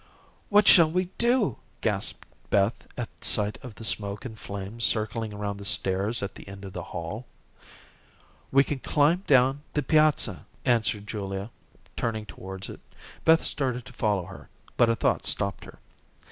"What shall we do?" gasped Beth at sight of the smoke and flames circling around the stairs at the end of the hall. "We can climb down the piazza," answered Julia turning towards it. Beth started to follow her, but a thought stopped her.